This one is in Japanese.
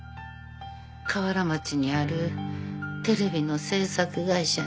河原町にあるテレビの制作会社に。